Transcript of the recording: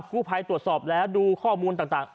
ผู้ภัยตรวจสอบแล้วดูข้อมูลต่าง